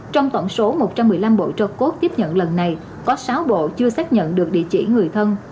trong tổng số một trăm một mươi năm bộ cho cốt tiếp nhận lần này có sáu bộ chưa xác nhận được địa chỉ người thân